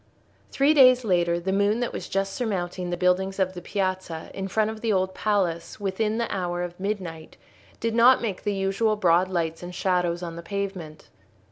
Three days later the moon that was just surmounting the buildings of the piazza in front of the Old Palace within the hour of midnight, did not make the usual broad lights and shadows on the pavement.